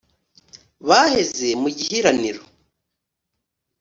baheze mu gihiraniro,